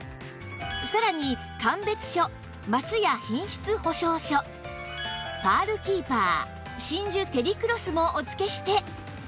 さらに鑑別書松屋品質保証書パールキーパー真珠てりクロスもお付けして